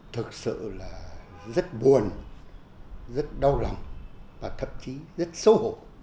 thực sự là rất buồn rất đau lòng và thậm chí rất xấu hổ